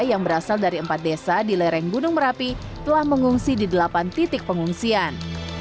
yang berasal dari empat desa di lereng gunung merapi telah mengungsi di delapan titik pengungsian